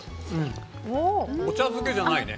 お茶漬けじゃないね。